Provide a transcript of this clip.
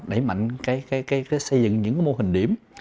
đẩy mạnh cái xây dựng những mô hình điểm